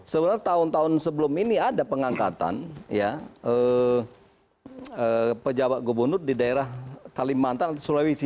sebenarnya tahun tahun sebelum ini ada pengangkatan pejabat gubernur di daerah kalimantan atau sulawesi